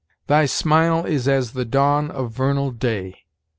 "Thy smile is as the dawn of vernal day."